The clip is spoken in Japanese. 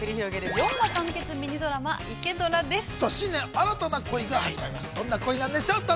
どんな恋なんでしょう。